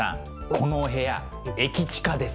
このお部屋駅近です。